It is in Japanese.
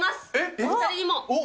お２人にも。